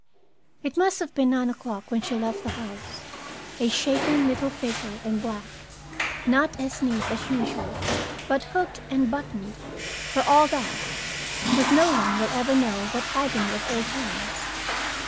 It must have been nine o'clock when she left the house, a shaken little figure in black, not as neat as usual, but hooked and buttoned, for all that, with no one will ever know what agony of old hands.